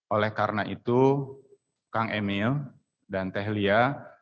oleh karena itu kang emil dan tehlia